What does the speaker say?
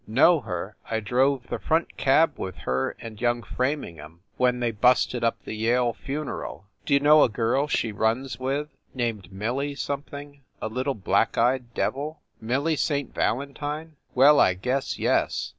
"Know her? I drove the front cab with her and young Framingham when they busted up the Yale funeral !" "D you know a girl she runs with named Millie something a little black eyed devil?" "Millie St. Valentine ? Well, I guess yes